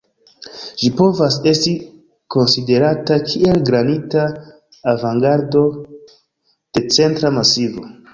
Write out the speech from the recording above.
Ĝi povas esti konsiderata kiel granita avangardo de Centra Masivo.